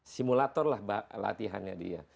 simulator lah latihannya dia